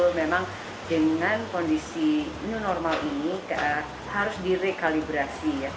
jadi itu memang dengan kondisi new normal ini harus direkalibrasi